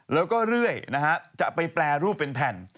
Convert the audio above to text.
แล้วก็เรื่อยนะฮะจะไปแปรรูปเป็นแผ่น